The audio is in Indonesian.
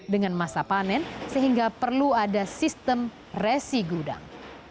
dengan masa panen sehingga perlu ada sistem resi gudang